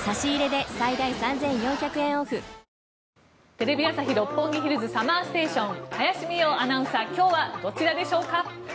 テレビ朝日・六本木ヒルズＳＵＭＭＥＲＳＴＡＴＩＯＮ林美桜アナウンサー今日はどちらでしょうか。